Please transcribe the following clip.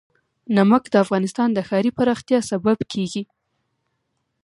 نمک د افغانستان د ښاري پراختیا سبب کېږي.